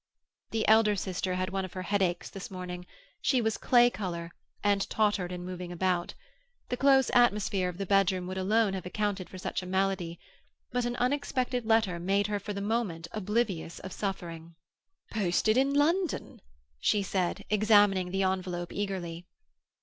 The elder sister had one of her headaches this morning; she was clay colour, and tottered in moving about. The close atmosphere of the bedroom would alone have accounted for such a malady. But an unexpected letter made her for the moment oblivious of suffering. "Posted in London," she said, examining the envelope eagerly.